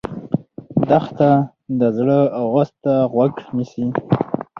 دښته د زړه آواز ته غوږ نیسي.